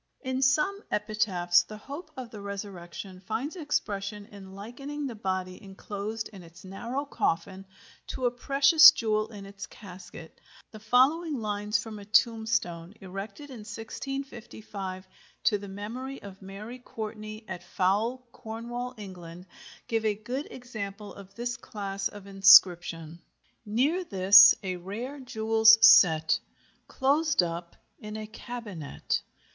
In some epitaphs the hope of the resurrection finds expression in likening the body enclosed in its narrow coffin to a precious jewel in its casket. The following lines from a tombstone erected in 1655 to the memory of Mary Courtney, at Fowell, Cornwall, England, give a good example of this class of inscription: Near this a rare jewell's set, Clos'd up in a cabinet.